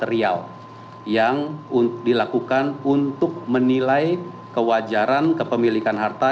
dan ketiga adalah aspek material yang dilakukan untuk menilai kewajaran kepemilikan harta